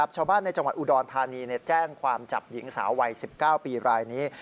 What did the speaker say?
ชาวบ้านในจังหวัดอุดรธานีแจ้งความจับหญิงสาววัย๑๙ปีรายนี้